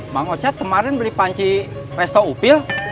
bang ocet kemarin beli panci resto upil